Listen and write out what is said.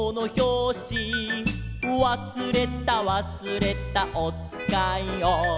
「わすれたわすれたおつかいを」